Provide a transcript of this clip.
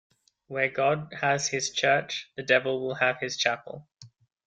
Where God has his church, the devil will have his chapel.